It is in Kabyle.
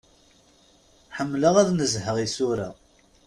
Ḥemmleɣ ad nezheɣ isura.